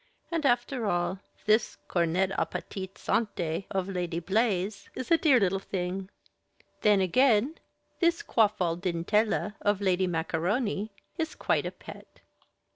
And after all, this cornette à petite santé of Lady Blaze is a dear little thing; then, again, this coiffe à dentelle of Lady Macaroni is quite a pet."